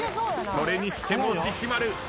それにしてもししまる。